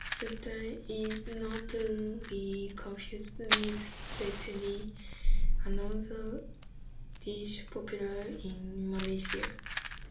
Sata is not to be confused with satay, another dish popular in Malaysia.